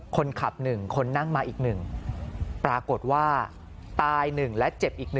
คนขับ๑คนนั่งมาอีก๑ปรากฏว่าตาย๑และเจ็บอีก๑